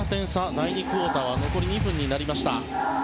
第２クオーターは残り２分になりました。